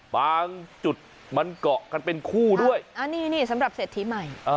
บางจุดมันเกาะกันเป็นคู่ด้วยอันนี้นี่สำหรับเศรษฐีใหม่